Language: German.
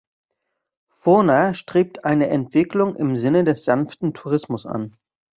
Furna strebt eine Entwicklung im Sinne des Sanften Tourismus an.